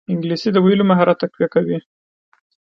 انګلیسي د ویلو مهارت تقویه کوي